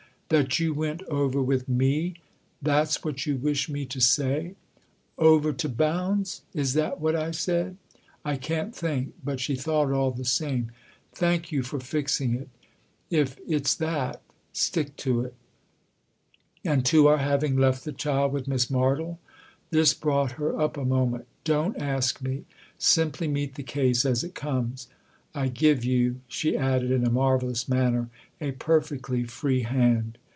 " That you went over with me that's what you wish me to say ?"" Over to Bounds ? Is that what / said ? I can't think." But she thought all the same. " Thank you for fixing it. If it's that, stick to it !" 278 THE OTHER HOUSE "And to our having left the child with Miss Martle ?" This brought her up a moment. " Don't ask me simply meet the case as it comes. I give you," she added in a marvellous manner, " a perfectly free hand